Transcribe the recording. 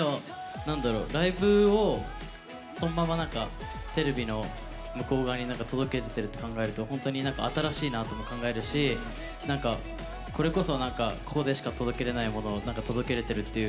ライブをそのままなんかテレビの向こう側に届けれてるって考えると本当に新しいなとも考えるしこれこそここでしか届けれないものを届けれてるっていう